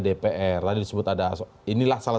dpr tadi disebut ada inilah salah